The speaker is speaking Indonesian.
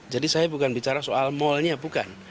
jadi saya bukan bicara soal mallnya bukan